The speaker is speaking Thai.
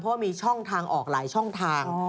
เพราะว่ามีช่องทางออกหลายช่องทาง